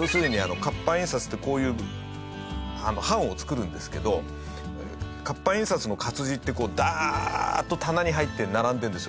要するに活版印刷ってこういう版を作るんですけど活版印刷の活字ってダーッと棚に入って並んでるんですよ。